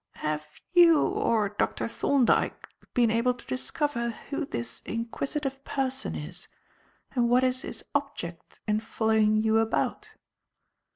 "Have you or Dr. Thorndyke been able to discover who this inquisitive person is and what is his object in following you about?"